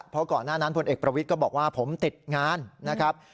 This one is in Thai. เพราะก่อนหน้านั้นพลเอกประวิทย์ก็บอกว่าผมติดงานนะครับ